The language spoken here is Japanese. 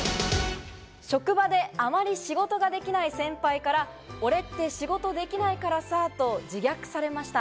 職場であまり仕事ができない先輩から俺って仕事できないからさと自虐されました。